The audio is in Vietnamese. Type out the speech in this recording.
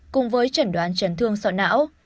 cùng với trẩn đoán trấn thương sọ não